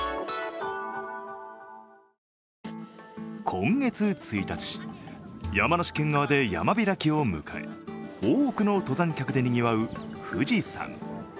今月１日、山梨県側で山開きを迎え、多くの登山客でにぎわう富士山。